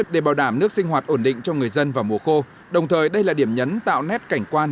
để bảo đảm nước sinh hoạt ổn định cho người dân vào mùa khô đồng thời đây là điểm nhấn tạo nét cảnh quan